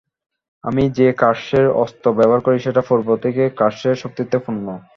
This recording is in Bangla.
আমি যে কার্সের অস্ত্র ব্যবহার করি সেটা পূর্ব থেকে কার্সের শক্তিতে পুর্ণ।